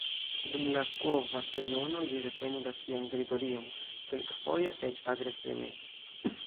Dum la kova sezono ĝi defendas sian teritorion, kelkfoje eĉ agreseme.